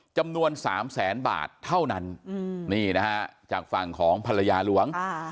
จำนวน๓แสนบาทเท่านั้นนี่นะฮะจากฝั่งของภรรยาหลวง